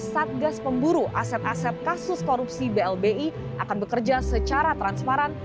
satgas pemburu aset aset kasus korupsi blbi akan bekerja secara transparan